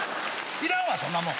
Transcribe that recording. いらんわそんなもん。